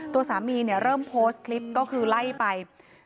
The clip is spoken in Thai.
ตัวสามีเริ่มโพสต์คลิปก็คือไล่ไป